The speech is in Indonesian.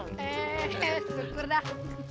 eh nyokur dah